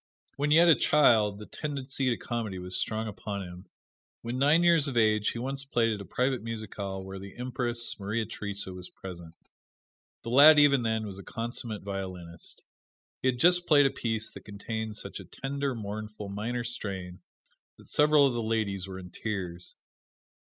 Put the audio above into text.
When yet a child the tendency to comedy was strong upon him. When nine years of age he once played at a private musicale where the Empress, Maria Theresa, was present. The lad even then was a consummate violinist. He had just played a piece that contained such a tender, mournful, minor strain that several of the ladies were in tears.